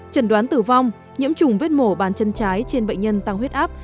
trần đoán tử vong nhiễm chủng vết mổ bàn chân trái trên bệnh nhân tăng huyết áp